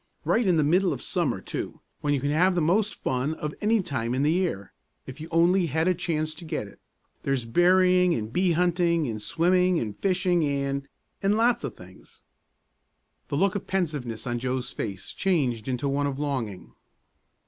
Right in the middle of summer, too, when you can have the most fun of any time in the year, if you only had a chance to get it! There's berrying and bee hunting and swimming and fishing and and lots of things." The look of pensiveness on Joe's face changed into one of longing.